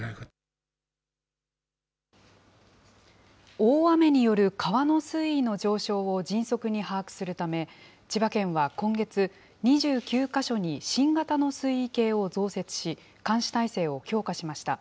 大雨による川の水位の上昇を迅速に把握するため、千葉県は今月、２９か所に新型の水位計を増設し、監視体制を強化しました。